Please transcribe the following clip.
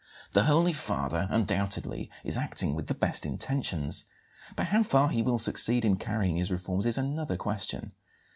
"The Holy Father, undoubtedly, is acting with the best intentions; but how far he will succeed in carrying his reforms is another question.